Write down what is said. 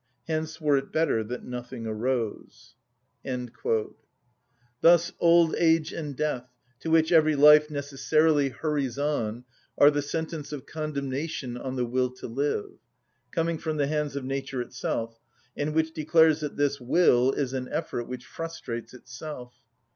Hence were it better that nothing arose." Thus old age and death, to which every life necessarily hurries on, are the sentence of condemnation on the will to live, coming from the hands of nature itself, and which declares that this will is an effort which frustrates itself.